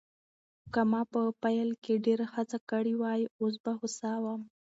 که ما په پیل کې ډېره هڅه کړې وای، اوس به هوسا وم.